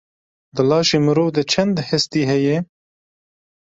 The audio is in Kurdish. Di laşê mirov de çend hestî heye?